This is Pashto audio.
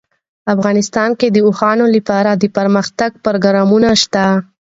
افغانستان کې د اوښانو لپاره دپرمختیا پروګرامونه شته.